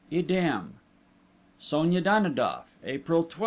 idem._ _Sonia Danidoff, April 12.